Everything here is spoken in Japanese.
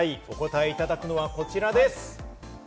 お答えいただくのはこちらです。